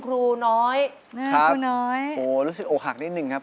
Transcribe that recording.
อ๋อรู้สึกอกหักเด็กครับ